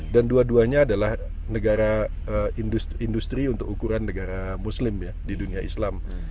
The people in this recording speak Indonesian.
dan dua duanya adalah negara industri untuk ukuran negara muslim